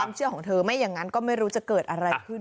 เชื่อของเธอไม่อย่างนั้นก็ไม่รู้จะเกิดอะไรขึ้น